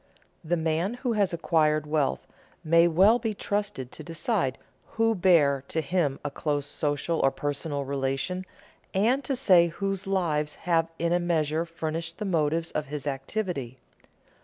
The man who has acquired wealth may well be trusted to decide who bear to him a close social or personal relation, and to say whose lives have in a measure furnished the motives of his activity.